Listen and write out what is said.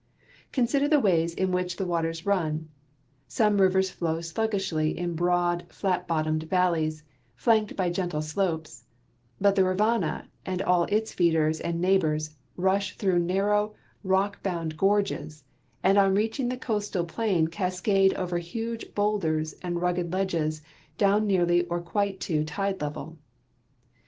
Consider the ways in which the waters run : Some rivers flow sluggishly in broad, flat bottomed valle}'s flanked by gentle slopes, but the Rivanna and all its feeders and neighbors rush through narrow, rock bound gorges, and on reaching the coastal plain cascade over huge bowlders and rugged ledges down nearly or quite to tide level.